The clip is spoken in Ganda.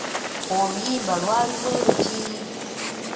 Oluyimba Iwali bwe luti.